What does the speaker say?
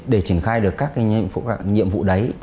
để triển khai được các nhiệm vụ đấy